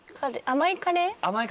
甘いカレー？